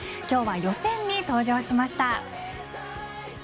今日は予選に登場しました。